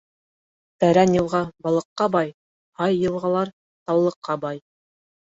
Тәрән йылға балыҡҡа бай, һай йылғалар таллыҡҡа бай.